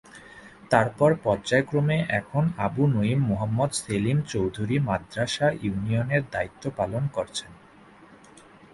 তারপর পর্যায়ক্রমে এখন আবু নঈম মোহাম্মদ সেলিম চৌধুরী মাদার্শা ইউনিয়নের দায়িত্ব পালন করছেন।